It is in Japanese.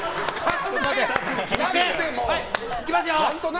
いきますよ！